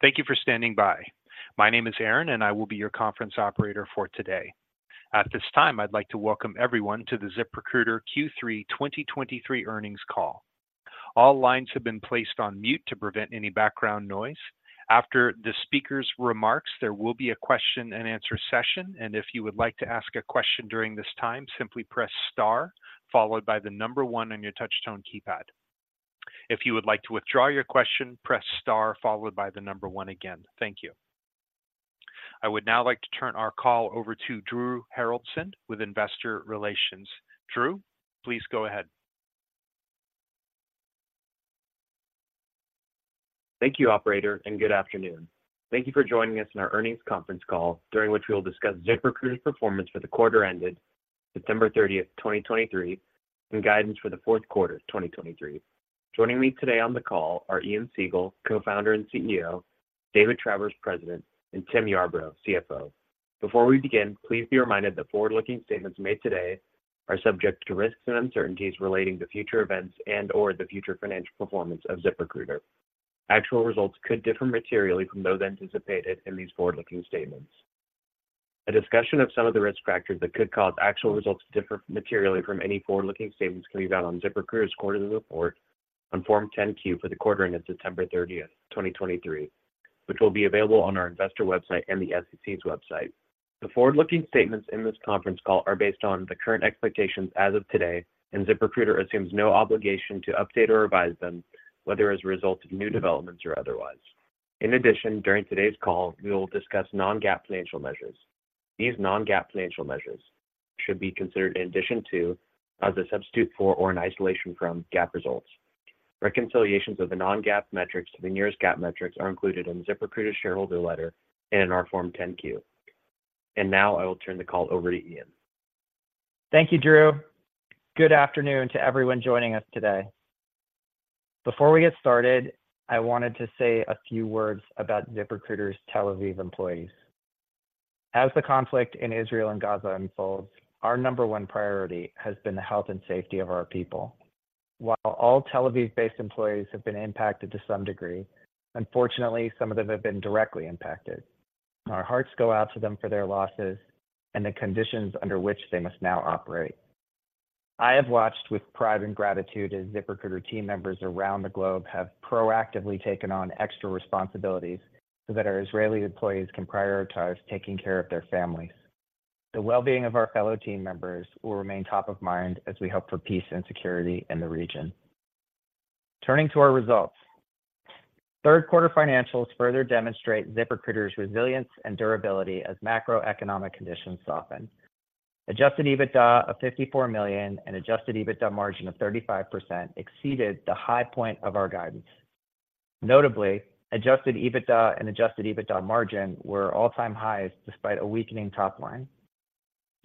Thank you for standing by. My name is Aaron, and I will be your conference operator for today. At this time, I'd like to welcome everyone to the ZipRecruiter Q3-2023 Earnings Call. All lines have been placed on mute to prevent any background noise. After the speaker's remarks, there will be a question and answer session, and if you would like to ask a question during this time, simply press star, followed by the number one on your touchtone keypad. If you would like to withdraw your question, press star followed by the number one again. Thank you. I would now like to turn our call over to Drew Haroldson with Investor Relations. Drew, please go ahead. Thank you, operator, and good afternoon. Thank you for joining us in our earnings conference call, during which we will discuss ZipRecruiter's performance for the quarter ended September 30, 2023, and guidance for the fourth quarter of 2023. Joining me today on the call are Ian Siegel, Co-Founder and CEO, David Travers, President, and Tim Yarbrough, CFO. Before we begin, please be reminded that forward-looking statements made today are subject to risks and uncertainties relating to future events and/or the future financial performance of ZipRecruiter. Actual results could differ materially from those anticipated in these forward-looking statements. A discussion of some of the risk factors that could cause actual results to differ materially from any forward-looking statements can be found on ZipRecruiter's quarterly report on Form 10-Q for the quarter ended September 30, 2023, which will be available on our investor website and the SEC's website. The forward-looking statements in this conference call are based on the current expectations as of today, and ZipRecruiter assumes no obligation to update or revise them, whether as a result of new developments or otherwise. In addition, during today's call, we will discuss non-GAAP financial measures. These non-GAAP financial measures should be considered in addition to, as a substitute for, or in isolation from GAAP results. Reconciliations of the non-GAAP metrics to the nearest GAAP metrics are included in ZipRecruiter's shareholder letter and in our Form 10-Q. Now I will turn the call over to Ian. Thank you, Drew. Good afternoon to everyone joining us today. Before we get started, I wanted to say a few words about ZipRecruiter's Tel Aviv employees. As the conflict in Israel and Gaza unfolds, our number one priority has been the health and safety of our people. While all Tel Aviv-based employees have been impacted to some degree, unfortunately, some of them have been directly impacted. Our hearts go out to them for their losses and the conditions under which they must now operate. I have watched with pride and gratitude as ZipRecruiter team members around the globe have proactively taken on extra responsibilities so that our Israeli employees can prioritize taking care of their families. The well-being of our fellow team members will remain top of mind as we hope for peace and security in the region. Turning to our results, third quarter financials further demonstrate ZipRecruiter's resilience and durability as macroeconomic conditions soften. Adjusted EBITDA of $54 million and adjusted EBITDA margin of 35% exceeded the high point of our guidance. Notably, adjusted EBITDA and adjusted EBITDA margin were all-time highs despite a weakening top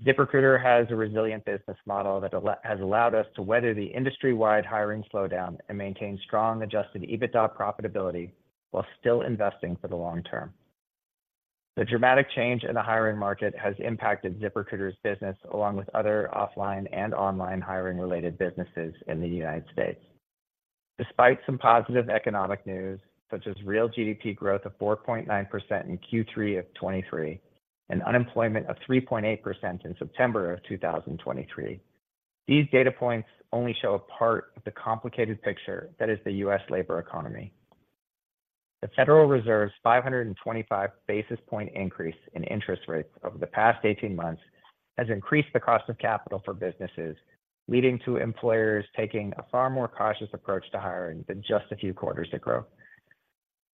line. ZipRecruiter has a resilient business model that has allowed us to weather the industry-wide hiring slowdown and maintain strong adjusted EBITDA profitability while still investing for the long term. The dramatic change in the hiring market has impacted ZipRecruiter's business, along with other offline and online hiring-related businesses in the United States. Despite some positive economic news, such as real GDP growth of 4.9% in Q3 of 2023, and unemployment of 3.8% in September of 2023, these data points only show a part of the complicated picture that is the U.S. labor economy. The Federal Reserve's 525 basis point increase in interest rates over the past 18 months has increased the cost of capital for businesses, leading to employers taking a far more cautious approach to hiring than just a few quarters ago.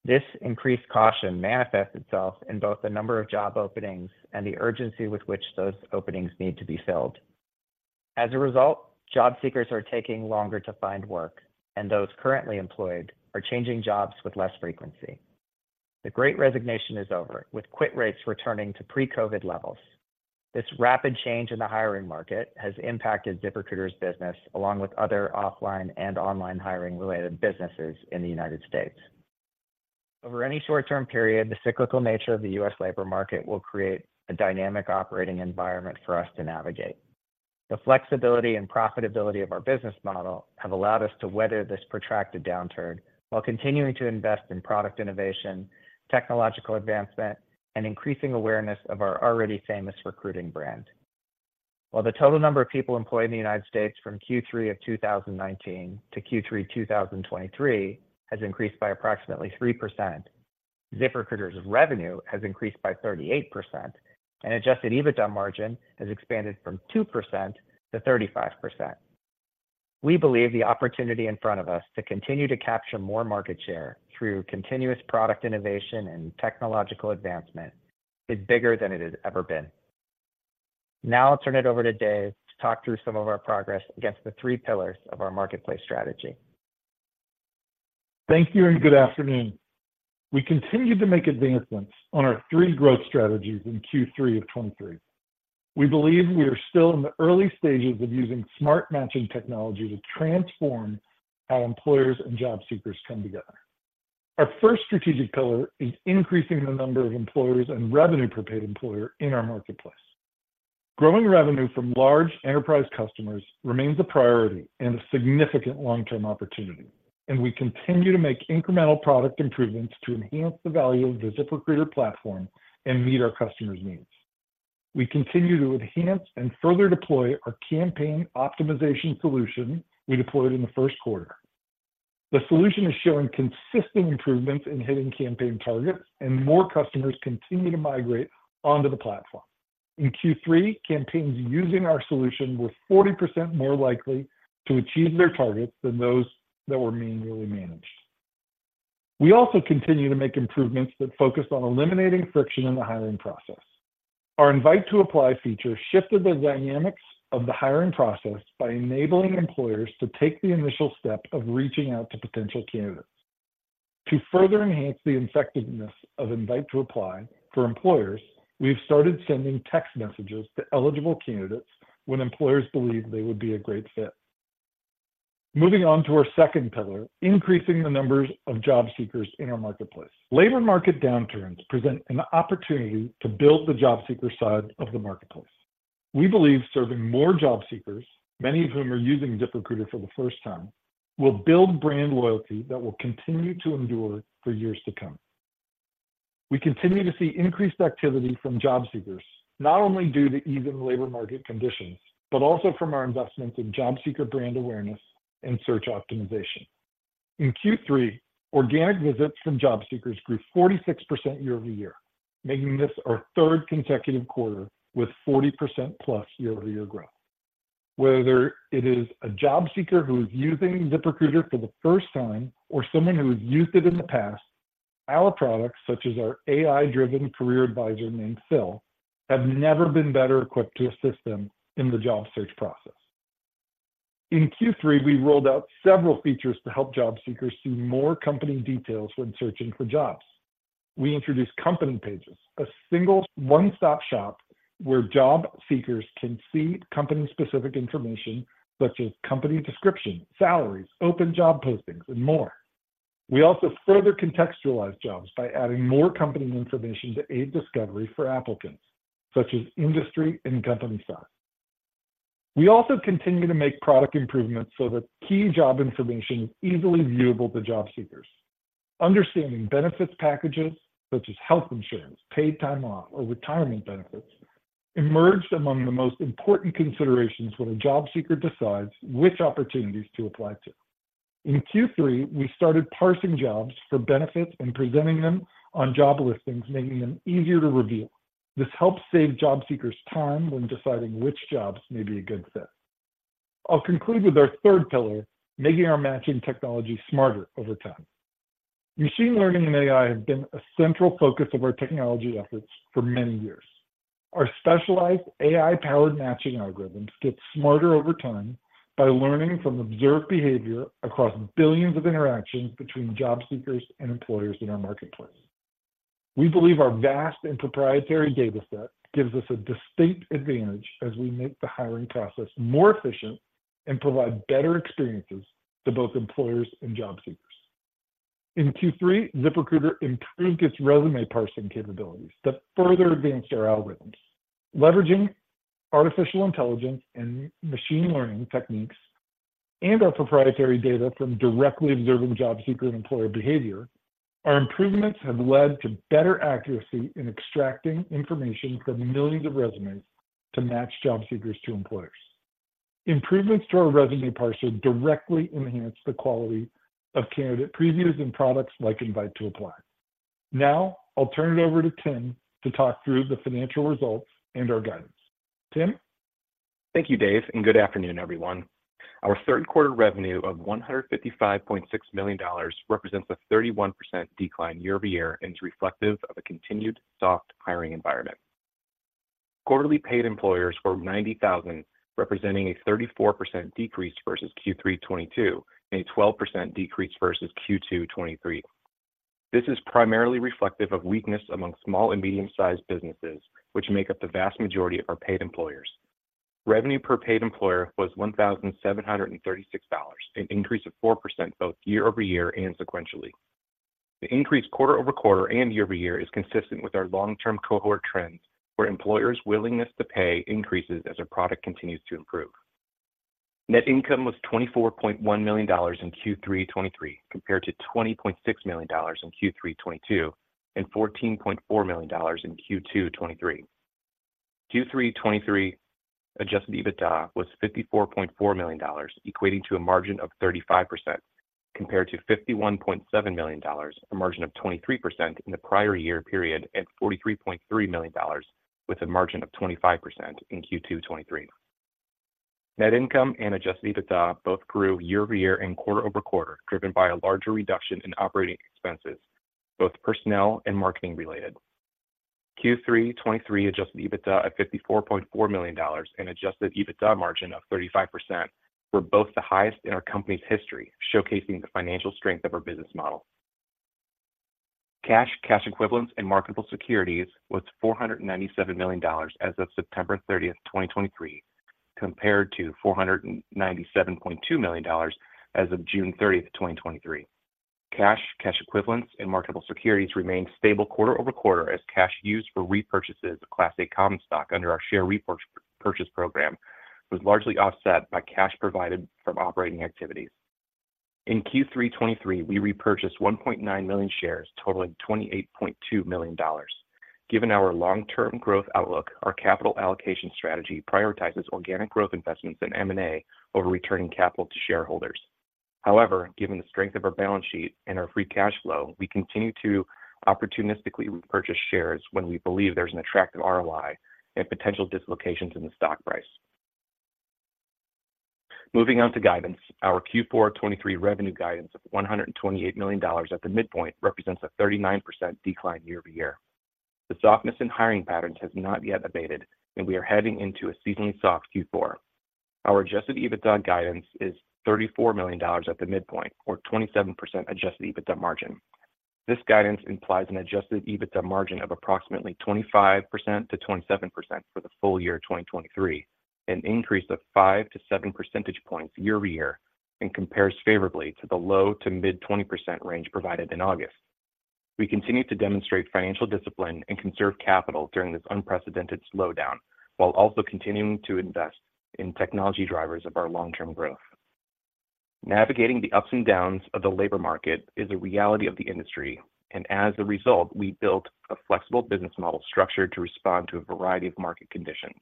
This increased caution manifests itself in both the number of job openings and the urgency with which those openings need to be filled. As a result, job seekers are taking longer to find work, and those currently employed are changing jobs with less frequency. The Great Resignation is over, with quit rates returning to pre-COVID levels. This rapid change in the hiring market has impacted ZipRecruiter's business, along with other offline and online hiring-related businesses in the United States. Over any short-term period, the cyclical nature of the U.S. labor market will create a dynamic operating environment for us to navigate. The flexibility and profitability of our business model have allowed us to weather this protracted downturn while continuing to invest in product innovation, technological advancement, and increasing awareness of our already famous recruiting brand. While the total number of people employed in the United States from Q3 of 2019 to Q3 2023 has increased by approximately 3%, ZipRecruiter's revenue has increased by 38%, and adjusted EBITDA margin has expanded from 2% to 35%. We believe the opportunity in front of us to continue to capture more market share through continuous product innovation and technological advancement is bigger than it has ever been. Now I'll turn it over to Dave to talk through some of our progress against the three pillars of our marketplace strategy. Thank you, and good afternoon. We continued to make advancements on our three growth strategies in Q3 of 2023. We believe we are still in the early stages of using Smart Matching technology to transform how employers and job seekers come together. Our first strategic pillar is increasing the number of employers and revenue per paid employer in our marketplace. Growing revenue from large enterprise customers remains a priority and a significant long-term opportunity, and we continue to make incremental product improvements to enhance the value of the ZipRecruiter platform and meet our customers' needs. We continue to enhance and further deploy our campaign optimization solution we deployed in the first quarter. The solution is showing consistent improvements in hitting campaign targets, and more customers continue to migrate onto the platform. In Q3, campaigns using our solution were 40% more likely to achieve their targets than those that were manually managed. We also continue to make improvements that focus on eliminating friction in the hiring process. Our Invite to Apply feature shifted the dynamics of the hiring process by enabling employers to take the initial step of reaching out to potential candidates. To further enhance the effectiveness of Invite to Apply for employers, we've started sending text messages to eligible candidates when employers believe they would be a great fit. Moving on to our second pillar, increasing the numbers of job seekers in our marketplace. Labor market downturns present an opportunity to build the job seeker side of the marketplace. We believe serving more job seekers, many of whom are using ZipRecruiter for the first time, will build brand loyalty that will continue to endure for years to come. We continue to see increased activity from job seekers, not only due to even labor market conditions, but also from our investments in job seeker brand awareness and search optimization. In Q3, organic visits from job seekers grew 46% year-over-year, making this our third consecutive quarter with 40%+ year-over-year growth. Whether it is a job seeker who is using ZipRecruiter for the first time or someone who has used it in the past, our products, such as our AI-driven career advisor named Phil, have never been better equipped to assist them in the job search process. In Q3, we rolled out several features to help job seekers see more company details when searching for jobs. We introduced Company Pages, a single one-stop shop where job seekers can see company-specific information such as company description, salaries, open job postings, and more. We also further contextualized jobs by adding more company information to aid discovery for applicants, such as industry and company size. We also continue to make product improvements so that key job information is easily viewable to job seekers. Understanding benefits packages such as health insurance, paid time off, or retirement benefits, emerged among the most important considerations when a job seeker decides which opportunities to apply to. In Q3, we started parsing jobs for benefits and presenting them on job listings, making them easier to review. This helps save job seekers time when deciding which jobs may be a good fit. I'll conclude with our third pillar, making our matching technology smarter over time. Machine learning and AI have been a central focus of our technology efforts for many years. Our specialized AI-powered matching algorithms get smarter over time by learning from observed behavior across billions of interactions between job seekers and employers in our marketplace. We believe our vast and proprietary data set gives us a distinct advantage as we make the hiring process more efficient and provide better experiences to both employers and job seekers. In Q3, ZipRecruiter improved its resume parsing capabilities that further advanced our algorithms. Leveraging artificial intelligence and machine learning techniques and our proprietary data from directly observing job seeker and employer behavior, our improvements have led to better accuracy in extracting information from millions of resumes to match job seekers to employers. Improvements to our resume parser directly enhance the quality of candidate previews and products like Invite to Apply. Now, I'll turn it over to Tim to talk through the financial results and our guidance. Tim? Thank you, Dave, and good afternoon, everyone. Our third quarter revenue of $155.6 million represents a 31% decline year-over-year and is reflective of a continued soft hiring environment. Quarterly paid employers were 90,000, representing a 34% decrease versus Q3 2022, and a 12% decrease versus Q2 2023. This is primarily reflective of weakness among small and medium-sized businesses, which make up the vast majority of our paid employers. Revenue per paid employer was $1,736, an increase of 4% both year-over-year and sequentially. The increase quarter-over-quarter and year-over-year is consistent with our long-term cohort trends, where employers' willingness to pay increases as our product continues to improve. Net income was $24.1 million in Q3 2023, compared to $20.6 million in Q3 2022 and $14.4 million in Q2 2023. Q3 2023 adjusted EBITDA was $54.4 million, equating to a margin of 35%, compared to $51.7 million, a margin of 23% in the prior year period, and $43.3 million with a margin of 25% in Q2 2023. Net income and adjusted EBITDA both grew year-over-year and quarter-over-quarter, driven by a larger reduction in operating expenses, both personnel and marketing related. Q3 2023 adjusted EBITDA at $54.4 million, an adjusted EBITDA margin of 35%, were both the highest in our company's history, showcasing the financial strength of our business model. Cash, cash equivalents, and marketable securities was $497 million as of September 30, 2023, compared to $497.2 million as of June 30, 2023. Cash, cash equivalents, and marketable securities remained stable quarter-over-quarter as cash used for repurchases of Class A common stock under our share repurchase program was largely offset by cash provided from operating activities. In Q3 2023, we repurchased 1.9 million shares, totaling $28.2 million. Given our long-term growth outlook, our capital allocation strategy prioritizes organic growth investments in M&A over returning capital to shareholders. However, given the strength of our balance sheet and our free cash flow, we continue to opportunistically repurchase shares when we believe there's an attractive ROI and potential dislocations in the stock price. Moving on to guidance. Our Q4 2023 revenue guidance of $128 million at the midpoint represents a 39% decline year-over-year. The softness in hiring patterns has not yet abated, and we are heading into a seasonally soft Q4. Our adjusted EBITDA guidance is $34 million at the midpoint, or 27% adjusted EBITDA margin. This guidance implies an adjusted EBITDA margin of approximately 25%-27% for the full year of 2023, an increase of 5-7 percentage points year-over-year, and compares favorably to the low- to mid-20% range provided in August. We continue to demonstrate financial discipline and conserve capital during this unprecedented slowdown, while also continuing to invest in technology drivers of our long-term growth. Navigating the ups and downs of the labor market is a reality of the industry, and as a result, we built a flexible business model structure to respond to a variety of market conditions.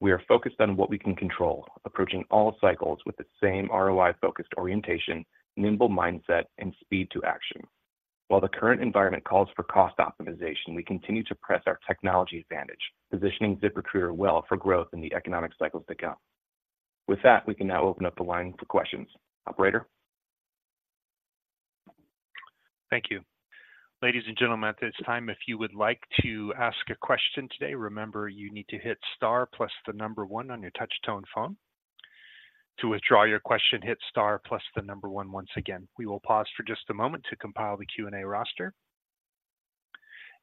We are focused on what we can control, approaching all cycles with the same ROI-focused orientation, nimble mindset, and speed to action. While the current environment calls for cost optimization, we continue to press our technology advantage, positioning ZipRecruiter well for growth in the economic cycles to come. With that, we can now open up the line for questions. Operator? Thank you. Ladies and gentlemen, at this time, if you would like to ask a question today, remember, you need to hit star plus the number one on your touch-tone phone. To withdraw your question, hit star plus the number one once again. We will pause for just a moment to compile the Q&A roster.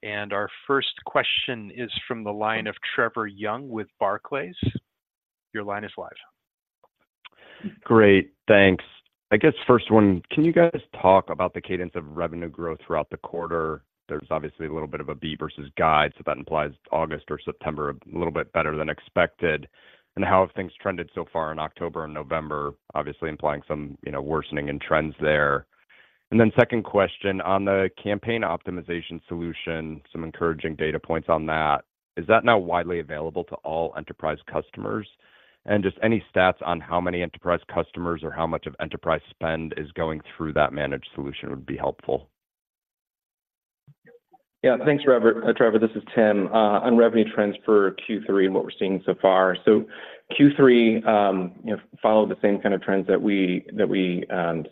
And our first question is from the line of Trevor Young with Barclays. Your line is live. Great. Thanks. I guess first one, can you guys talk about the cadence of revenue growth throughout the quarter? There's obviously a little bit of a beat versus guide, so that implies August or September, a little bit better than expected. And how have things trended so far in October and November, obviously implying some, you know, worsening in trends there? And then second question, on the campaign optimization solution, some encouraging data points on that. Is that now widely available to all enterprise customers? And just any stats on how many enterprise customers or how much of enterprise spend is going through that managed solution would be helpful. Yeah. Thanks, Trevor. This is Tim. On revenue trends for Q3 and what we're seeing so far. So Q3, you know, followed the same kind of trends that we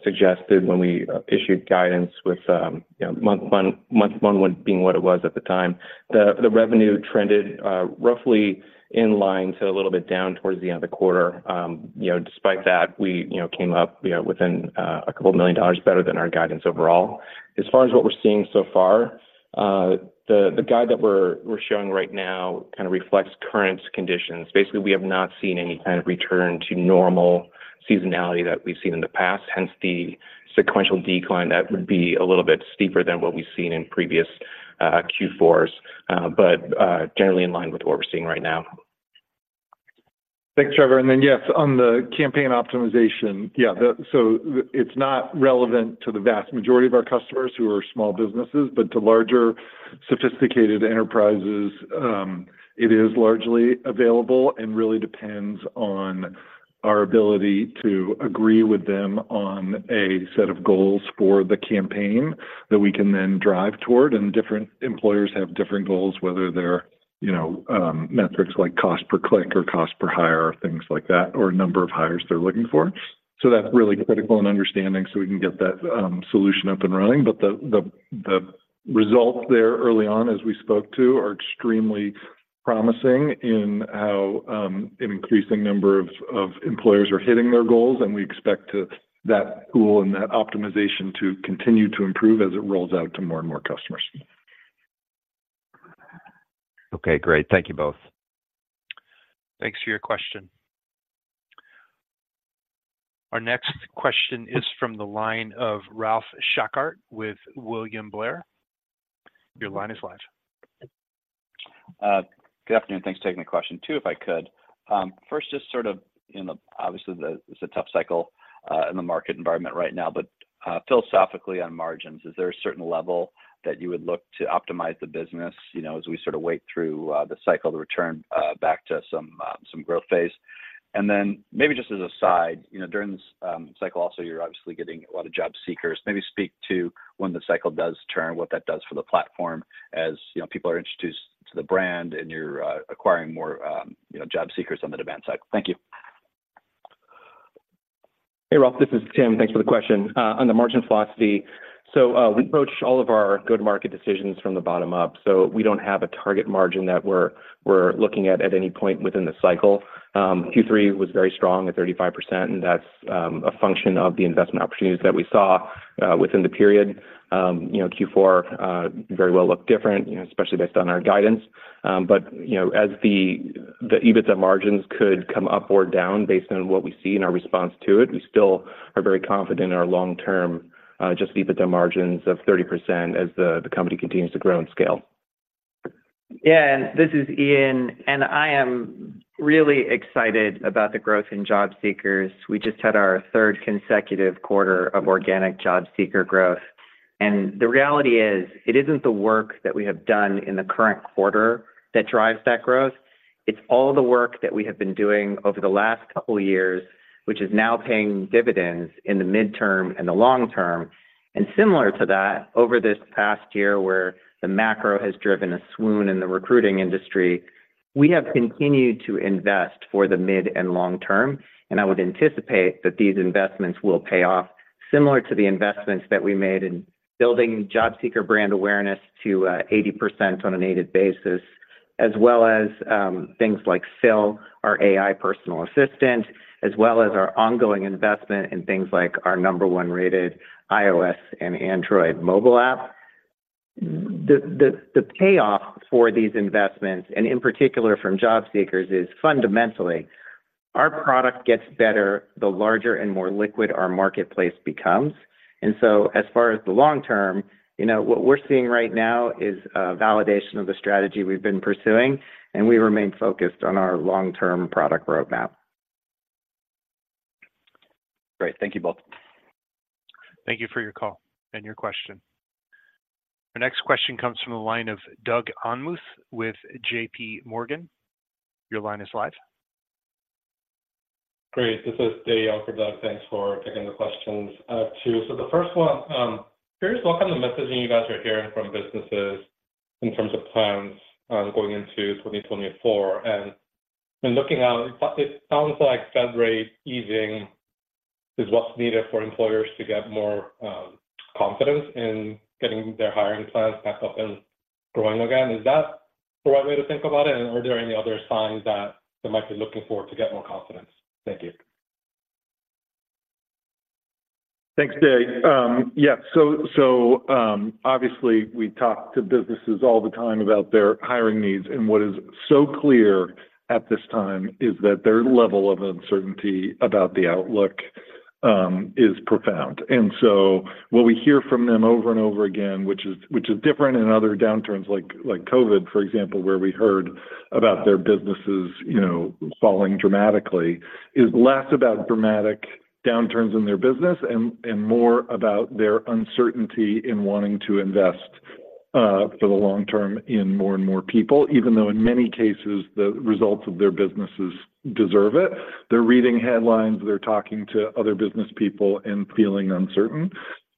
suggested when we issued guidance with, you know, month one being what it was at the time. The revenue trended, roughly in line to a little bit down towards the end of the quarter. You know, despite that, we, you know, came up, you know, within $2 million better than our guidance overall. As far as what we're seeing so far, the guide that we're showing right now kind of reflects current conditions. Basically, we have not seen any kind of return to normal seasonality that we've seen in the past, hence the sequential decline that would be a little bit steeper than what we've seen in previous Q4s, but generally in line with what we're seeing right now. Thanks, Trevor. And then, yes, on the campaign optimization, yeah. So it's not relevant to the vast majority of our customers who are small businesses, but to larger, sophisticated enterprises, it is largely available and really depends on our ability to agree with them on a set of goals for the campaign that we can then drive toward. And different employers have different goals, whether they're, you know, metrics like cost per click or cost per hire, or things like that, or number of hires they're looking for. So that's really critical in understanding, so we can get that solution up and running. But the results there early on, as we spoke to, are extremely promising in how an increasing number of employers are hitting their goals, and we expect to that tool and that optimization to continue to improve as it rolls out to more and more customers. Okay, great. Thank you both. Thanks for your question. Our next question is from the line of Ralph Schackart with William Blair. Your line is live. Good afternoon. Thanks for taking the question. Two, if I could. First, just sort of, you know, obviously, it's a tough cycle in the market environment right now, but philosophically on margins, is there a certain level that you would look to optimize the business, you know, as we sort of wait through the cycle to return back to some growth phase? And then maybe just as a side, you know, during this cycle, also, you're obviously getting a lot of job seekers. Maybe speak to when the cycle does turn, what that does for the platform, as you know, people are introduced to the brand and you're acquiring more you know, job seekers on the demand side. Thank you. Hey, Ralph, this is Tim. Thanks for the question. On the margin philosophy, so, we approach all of our good market decisions from the bottom up, so we don't have a target margin that we're looking at any point within the cycle. Q3 was very strong at 35%, and that's a function of the investment opportunities that we saw within the period. You know, Q4 very well look different, you know, especially based on our guidance. But, you know, as the EBITDA margins could come up or down based on what we see in our response to it, we still are very confident in our long-term adjusted EBITDA margins of 30% as the company continues to grow and scale. Yeah, this is Ian, and I am really excited about the growth in job seekers. We just had our third consecutive quarter of organic job seeker growth, and the reality is, it isn't the work that we have done in the current quarter that drives that growth. It's all the work that we have been doing over the last couple of years, which is now paying dividends in the midterm and the long term. Similar to that, over this past year, where the macro has driven a swoon in the recruiting industry, we have continued to invest for the mid and long term, and I would anticipate that these investments will pay off similar to the investments that we made in building job seeker brand awareness to 80% on a native basis, as well as things like Phil, our AI personal assistant, as well as our ongoing investment in things like our number one-rated iOS and Android mobile app. The payoff for these investments, and in particular from job seekers, is fundamentally our product gets better the larger and more liquid our marketplace becomes. And so as far as the long term, you know, what we're seeing right now is a validation of the strategy we've been pursuing, and we remain focused on our long-term product roadmap. Great. Thank you both. Thank you for your call and your question. The next question comes from the line of Doug Anmuth with JPMorgan. Your line is live. Great. This is Doug, thanks for taking the questions. Two... So the first one, curious, what kind of messaging you guys are hearing from businesses in terms of plans on going into 2024? And in looking out, it sounds like Fed rate easing is what's needed for employers to get more confidence in getting their hiring plans back up and growing again. Is that the right way to think about it, and are there any other signs that they might be looking forward to get more confidence? Thank you. Thanks, Doug. Yeah, so obviously, we talk to businesses all the time about their hiring needs, and what is so clear at this time is that their level of uncertainty about the outlook is profound. And so what we hear from them over and over again, which is different in other downturns, like COVID, for example, where we heard about their businesses, you know, falling dramatically, is less about dramatic downturns in their business and more about their uncertainty in wanting to invest for the long term in more and more people. Even though in many cases, the results of their businesses deserve it. They're reading headlines, they're talking to other business people and feeling uncertain.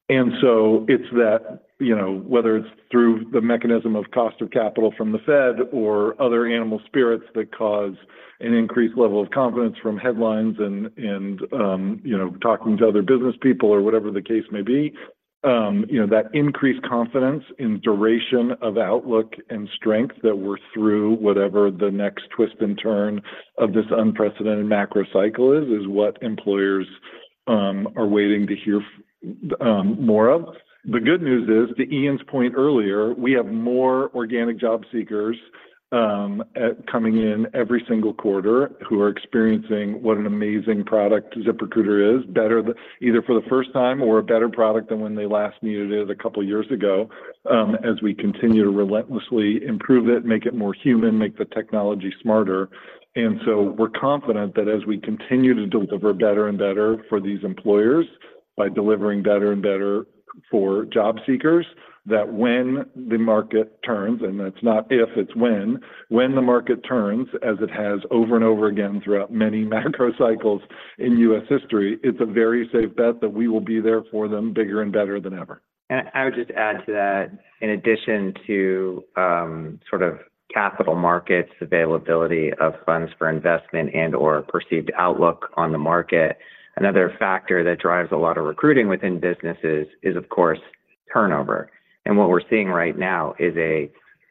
And so it's that, you know, whether it's through the mechanism of cost of capital from the Fed or other animal spirits that cause an increased level of confidence from headlines and, you know, talking to other business people or whatever the case may be, you know, that increased confidence in duration of outlook and strength that we're through, whatever the next twist and turn of this unprecedented macro cycle is, is what employers are waiting to hear more of. The good news is, to Ian's point earlier, we have more organic job seekers at coming in every single quarter who are experiencing what an amazing product ZipRecruiter is, better than either for the first time or a better product than when they last needed it a couple of years ago, as we continue to relentlessly improve it, make it more human, make the technology smarter. And so we're confident that as we continue to deliver better and better for these employers, by delivering better and better for job seekers, that when the market turns, and it's not if, it's when, when the market turns, as it has over and over again throughout many macro cycles in U.S. history, it's a very safe bet that we will be there for them, bigger and better than ever. I would just add to that, in addition to sort of capital markets, availability of funds for investment and/or perceived outlook on the market, another factor that drives a lot of recruiting within businesses is, of course, turnover. And what we're seeing right now is a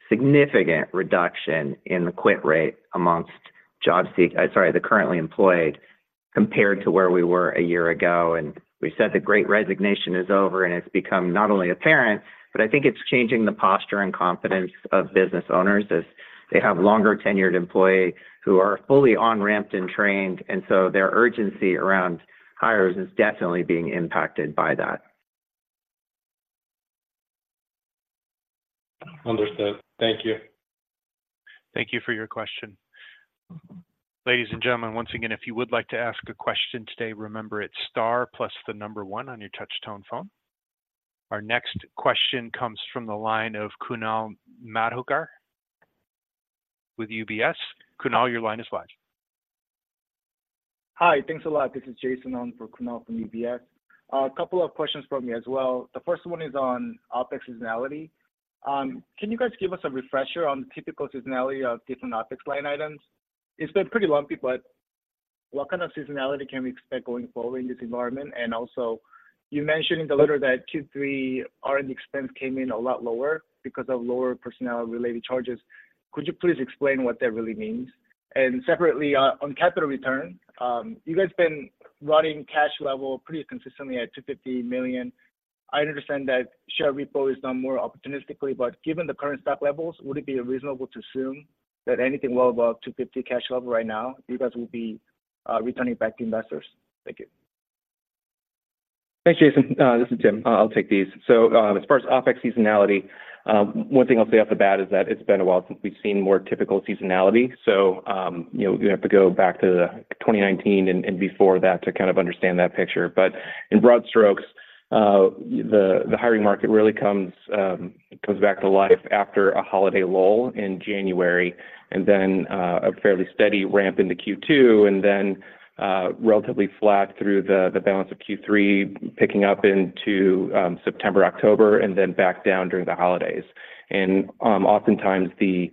significant reduction in the quit rate amongst the currently employed compared to where we were a year ago. And we said the Great Resignation is over, and it's become not only apparent, but I think it's changing the posture and confidence of business owners as they have longer-tenured employee who are fully on-ramped and trained, and so their urgency around hires is definitely being impacted by that. Understood. Thank you. Thank you for your question. Ladies and gentlemen, once again, if you would like to ask a question today, remember, it's star plus the number one on your touch tone phone. Our next question comes from the line of Kunal Madhukar with UBS. Kunal, your line is live. Hi, thanks a lot. This is Jason on for Kunal from UBS. A couple of questions from me as well. The first one is on OpEx seasonality. Can you guys give us a refresher on the typical seasonality of different OpEx line items? It's been pretty lumpy, but what kind of seasonality can we expect going forward in this environment? And also, you mentioned in the letter that Q3 R&D expense came in a lot lower because of lower personnel-related charges. Could you please explain what that really means? And separately, on capital return, you guys been running cash level pretty consistently at $250 million. I understand that share repo is done more opportunistically, but given the current stock levels, would it be reasonable to assume that anything well above $250 cash level right now, you guys will be returning back to investors? Thank you. Thanks, Jason. This is Tim. I'll take these. So, as far as OpEx seasonality, one thing I'll say off the bat is that it's been a while since we've seen more typical seasonality. So, you know, we have to go back to 2019 and before that to kind of understand that picture. But in broad strokes, the hiring market really comes back to life after a holiday lull in January, and then a fairly steady ramp into Q2, and then relatively flat through the balance of Q3, picking up into September, October, and then back down during the holidays. And oftentimes, the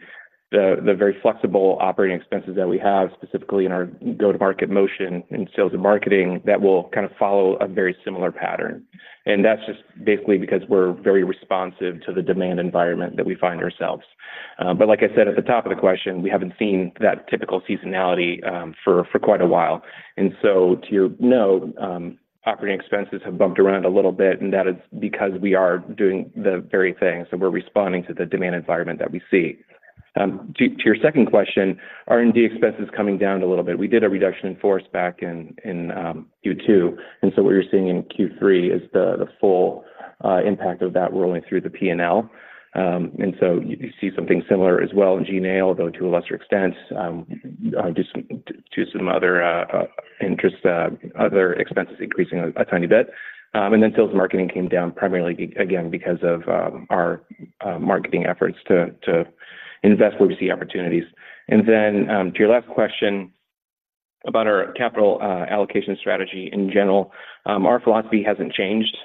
very flexible operating expenses that we have, specifically in our go-to-market motion in sales and marketing, that will kind of follow a very similar pattern. That's just basically because we're very responsive to the demand environment that we find ourselves. But like I said at the top of the question, we haven't seen that typical seasonality for quite a while. So to note, operating expenses have bumped around a little bit, and that is because we are doing the very thing. So we're responding to the demand environment that we see. To your second question, R&D expenses coming down a little bit. We did a reduction in force back in Q2, and so what you're seeing in Q3 is the full impact of that rolling through the P&L. And so you see something similar as well in G&A, although to a lesser extent, just to some other interests, other expenses increasing a tiny bit. And then sales and marketing came down primarily, again, because of our marketing efforts to invest where we see opportunities. And then to your last question about our capital allocation strategy in general, our philosophy hasn't changed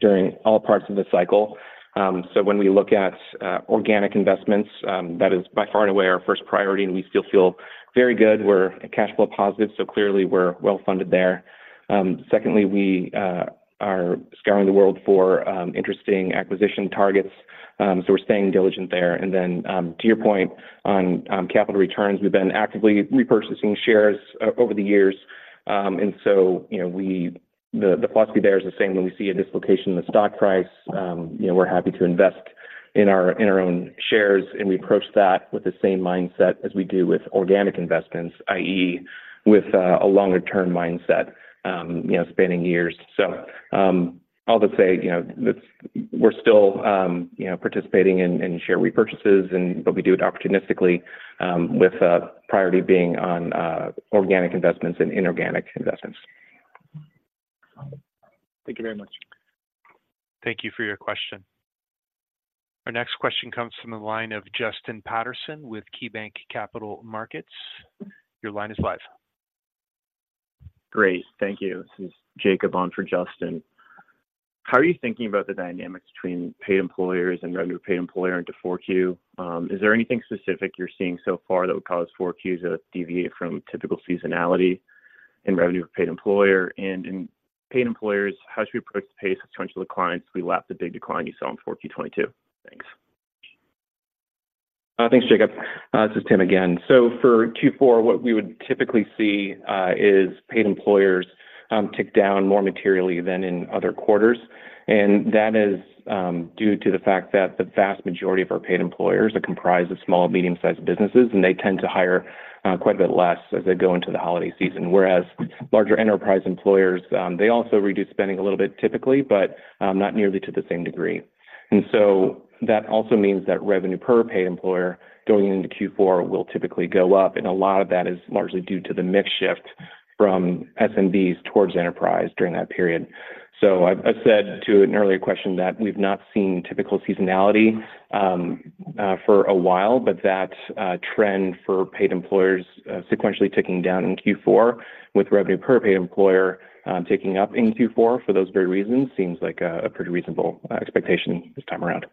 during all parts of the cycle. So when we look at organic investments, that is by far and away our first priority, and we still feel very good. We're cash flow positive, so clearly we're well-funded there. Secondly, we are scouring the world for interesting acquisition targets, so we're staying diligent there. And then to your point on capital returns, we've been actively repurchasing shares over the years. And so, you know, the philosophy there is the same when we see a dislocation in the stock price, you know, we're happy to invest in our own shares. And we approach that with the same mindset as we do with organic investments, i.e., with a longer-term mindset, you know, spanning years. So, all to say, you know, that we're still, you know, participating in share repurchases, and but we do it opportunistically, with priority being on organic investments and inorganic investments. Thank you very much. Thank you for your question. Our next question comes from the line of Justin Patterson with KeyBanc Capital Markets. Your line is live. Great. Thank you. This is Jacob on for Justin. How are you thinking about the dynamics between paid employers and revenue per paid employer in 4Q? Is there anything specific you're seeing so far that would cause 4Q to deviate from typical seasonality in revenue per paid employer? And in paid employers, how should we approach the pace of sequential declines as we lap the big decline you saw in 4Q 2022? Thanks. Thanks, Jacob. This is Tim again. So for Q4, what we would typically see is paid employers tick down more materially than in other quarters. And that is due to the fact that the vast majority of our paid employers are comprised of small, medium-sized businesses, and they tend to hire quite a bit less as they go into the holiday season. Whereas larger enterprise employers, they also reduce spending a little bit, typically, but not nearly to the same degree. And so that also means that revenue per paid employer going into Q4 will typically go up, and a lot of that is largely due to the mix shift from SMBs towards enterprise during that period. So I said to an earlier question that we've not seen typical seasonality for a while, but that trend for paid employers sequentially ticking down in Q4 with revenue per paid employer ticking up in Q4 for those very reasons seems like a pretty reasonable expectation this time around.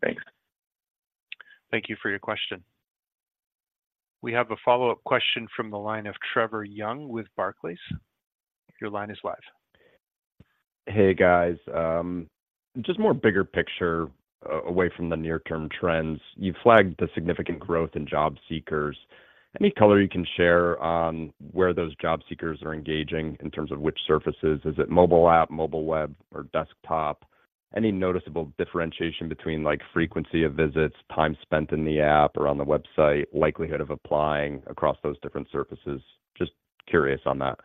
Thanks. Thank you for your question. We have a follow-up question from the line of Trevor Young with Barclays. Your line is live. Hey, guys. Just more bigger picture, away from the near-term trends. You flagged the significant growth in job seekers. Any color you can share on where those job seekers are engaging in terms of which surfaces? Is it mobile app, mobile web, or desktop? Any noticeable differentiation between, like, frequency of visits, time spent in the app or on the website, likelihood of applying across those different surfaces? Just curious on that.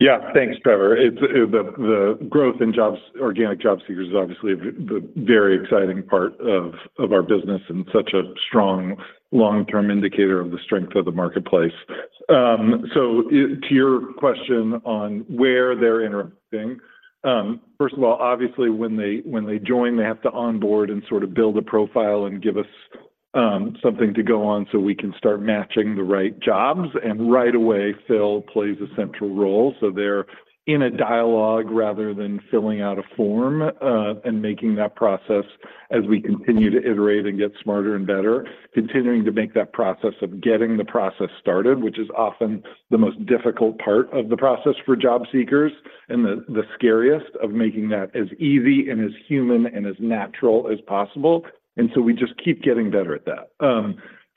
Yeah. Thanks, Trevor. It's the growth in jobs, organic job seekers is obviously the very exciting part of our business and such a strong long-term indicator of the strength of the marketplace. So to your question on where they're interacting, first of all, obviously, when they join, they have to onboard and sort of build a profile and give us something to go on so we can start matching the right jobs. And right away, Phil plays a central role, so they're in a dialogue rather than filling out a form, and making that process, as we continue to iterate and get smarter and better, continuing to make that process of getting the process started, which is often the most difficult part of the process for job seekers, and the scariest of making that as easy and as human and as natural as possible. And so we just keep getting better at that.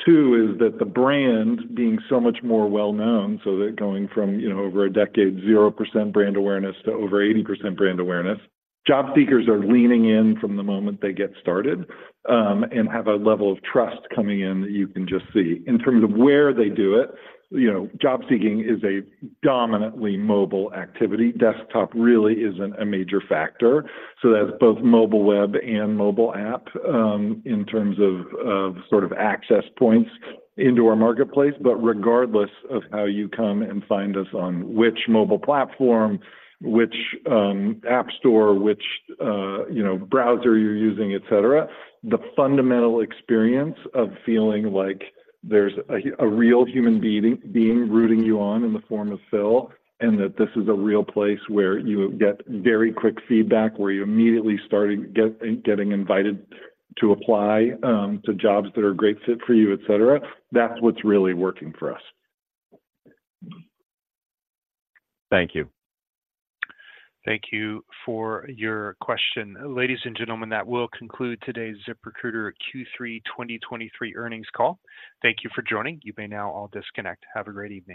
Two, is that the brand being so much more well-known, so they're going from, you know, over a decade, 0% brand awareness to over 80% brand awareness. Job seekers are leaning in from the moment they get started, and have a level of trust coming in that you can just see. In terms of where they do it, you know, job seeking is a dominantly mobile activity. Desktop really isn't a major factor, so that's both mobile web and mobile app in terms of, of sort of access points into our marketplace. But regardless of how you come and find us on which mobile platform, which app store, which, you know, browser you're using, et cetera, the fundamental experience of feeling like there's a real human being rooting you on in the form of Phil, and that this is a real place where you get very quick feedback, where you're immediately starting getting invited to apply to jobs that are a great fit for you, et cetera, that's what's really working for us. Thank you. Thank you for your question. Ladies and gentlemen, that will conclude today's ZipRecruiter Q3 2023 Earnings Call. Thank you for joining. You may now all disconnect. Have a great evening.